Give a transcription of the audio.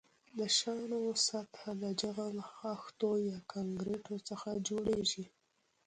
د شانو سطح د جغل، خښتو یا کانکریټو څخه جوړیږي